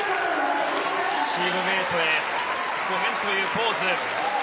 チームメートへごめんというポーズ。